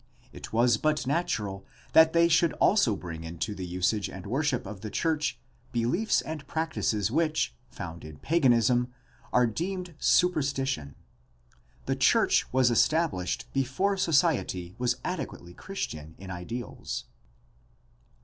It was but natural that they should also bring into the usage and worship of the church beliefs and practices which, found in paganism, are deemed superstition. The church was established before society was adequately Chris tian in ideals.